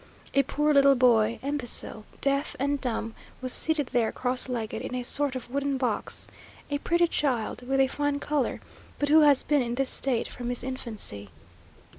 A poor little boy, imbecile, deaf and dumb, was seated there cross legged, in a sort of wooden box; a pretty child, with a fine colour, but who has been in this state from his infancy.